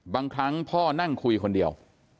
บางครั้งพ่อนั่งคุยคนเดียว